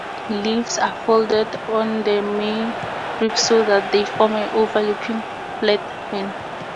Leaves are folded on the midribs so that they form an overlapping flat fan.